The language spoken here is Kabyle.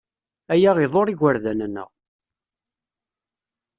Aya iḍurr igerdan-nneɣ.